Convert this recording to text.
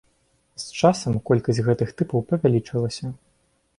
З часам колькасць гэтых тыпаў павялічылася.